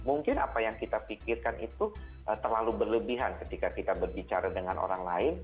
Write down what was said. mungkin apa yang kita pikirkan itu terlalu berlebihan ketika kita berbicara dengan orang lain